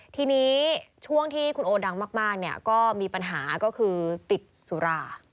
ทีนี้ช่วงที่คุณโอดังมากก็มีปัญหาก็คือติดสุรา